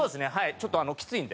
ちょっときついんで。